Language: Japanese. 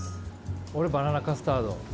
俺バナナカスタード。